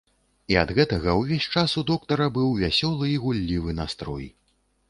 І ад гэтага ўвесь час у доктара быў вясёлы і гуллівы настрой.